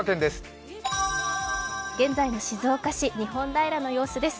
現在の静岡県・日本平の様子です。